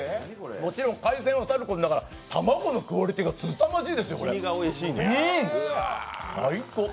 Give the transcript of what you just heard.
もちろん海鮮はさることながら卵のクオリティーがすさまじいですよ、最高。